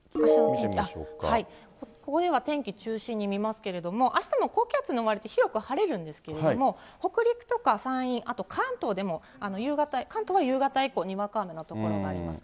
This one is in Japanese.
ここでは天気中心に見ますけれども、あしたも高気圧に覆われて広く晴れるんですけれども、北陸とか山陰、あと関東でも夕方、関東は夕方以降、にわか雨の所があります。